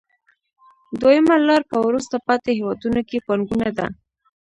دویمه لار په وروسته پاتې هېوادونو کې پانګونه ده